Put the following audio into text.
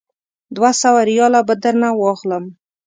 دوه سوه ریاله به درنه واخلم.